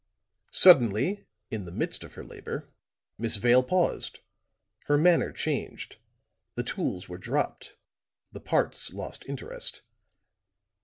Suddenly, in the midst of her labor, Miss Vale paused; her manner changed, the tools were dropped, the parts lost interest.